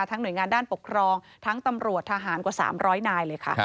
หน่วยงานด้านปกครองทั้งตำรวจทหารกว่า๓๐๐นายเลยค่ะ